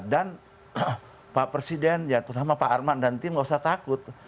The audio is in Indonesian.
dan pak presiden terutama pak armand dan tim nggak usah takut